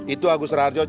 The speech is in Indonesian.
itu agus raharjo cerita